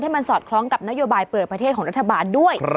มันสอดคล้องกับนโยบายเปิดประเทศของรัฐบาลด้วย